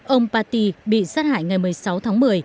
ông paty bị sát hại ngày một mươi sáu tháng một mươi